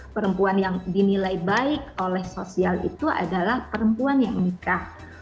perempuan yang dinilai baik oleh sosial itu adalah perempuan yang menikah